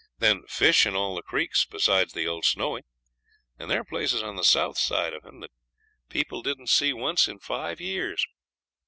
Then fish in all the creeks, besides the old Snowy, and there are places on the south side of him that people didn't see once in five years.